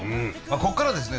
ここからですね